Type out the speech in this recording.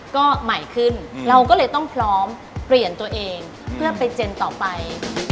ก็ใหม่ขึ้นเราก็เลยต้องพร้อมเปลี่ยนตัวเองเพื่อไปเจนต่อไป